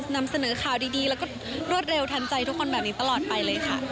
นำเสนอข่าวดีแล้วก็รวดเร็วทันใจทุกคนแบบนี้ตลอดไปเลยค่ะ